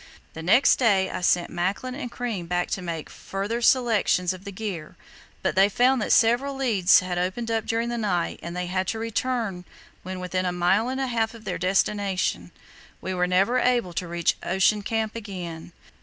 The next day I sent Macklin and Crean back to make a further selection of the gear, but they found that several leads had opened up during the night, and they had to return when within a mile and a half of their destination. We were never able to reach Ocean Camp again.